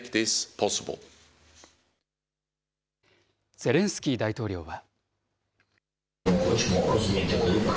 ゼレンスキー大統領は。